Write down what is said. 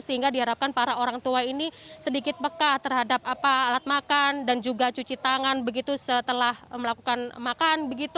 sehingga diharapkan para orang tua ini sedikit pekah terhadap alat makan dan juga cuci tangan begitu setelah melakukan makan